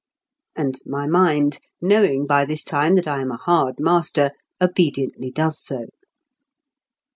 And my mind, knowing by this time that I am a hard master, obediently does so.